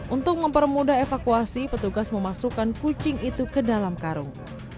untuk mempermudah evakuasi petugas memasukkan kucing itu ke dalam karung